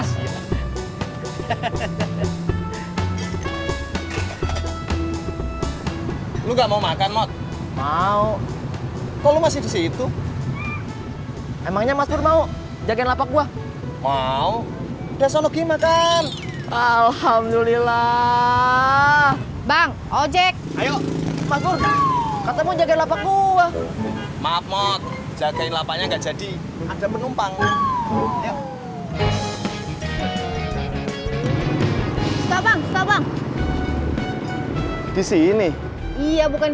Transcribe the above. sampai jumpa di video selanjutnya